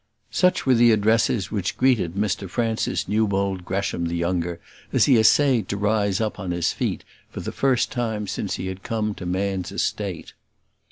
Such were the addresses which greeted Mr Francis Newbold Gresham the younger as he essayed to rise up on his feet for the first time since he had come to man's estate.